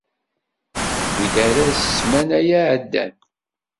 Yewwi-d arraz ssmana-ya iɛeddan.